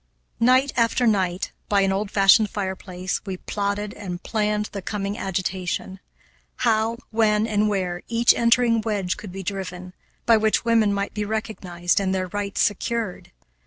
Night after night, by an old fashioned fireplace, we plotted and planned the coming agitation; how, when, and where each entering wedge could be driven, by which women might be recognized and their rights secured.